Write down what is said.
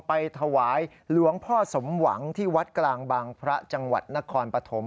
ไปถวายหลวงพ่อสมหวังที่วัดกลางบางพระจังหวัดนครปฐม